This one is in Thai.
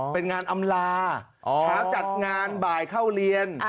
เป็นงานอำลาเช้าจัดงานบ่ายเข้าเรียน